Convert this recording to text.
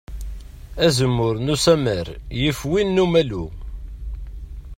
Azemmur n usammar yif win n umalu.